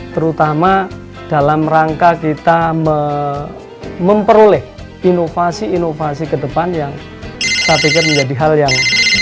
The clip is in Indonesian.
terutama dalam rangka kita memperoleh inovasi inovasi ke depan yang saya pikir menjadi hal yang